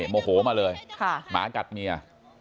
โมโหมาเลยหมากัดเมีย